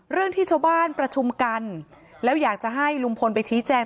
เรื่องที่ชาวบ้านประชุมกันแล้วอยากจะให้ลุงพลไปชี้แจง